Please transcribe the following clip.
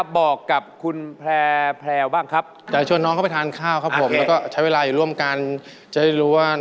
แว๊กได้หมดอันนี้แว๊กได้หมด